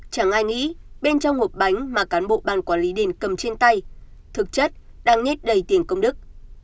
chẳng ai nghĩ bên trong hộp bánh mà cán bộ ban quản lý đền cầm trên tay thực chất đang nhét đầy tiền công đức